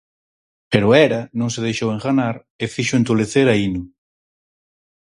Pero Hera non se deixou enganar e fixo entolecer a Ino.